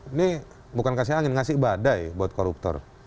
ini bukan kasih angin ini kasih ibadah buat koruptor